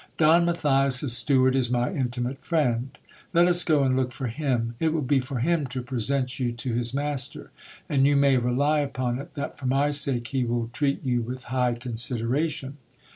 Don Matthias's steward is my intimate friend. Let us go and look for him. It will be for him to present you to his master, and you may rely upon it, that for my sake he will treat you with high consideration.